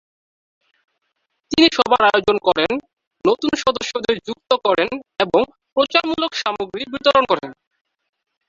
তিনি সভার আয়োজন করেন, নতুন সদস্যদের যুক্ত করেন এবং প্রচারমূলক সামগ্রী বিতরণ করেন।